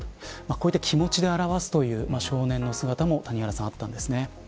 こういった気持ちで表すという少年の姿もあったんですね。